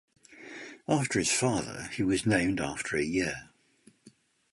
After his father, he was named after a year.